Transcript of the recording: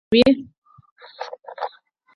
ایا ستاسو شربت به خوږ نه وي؟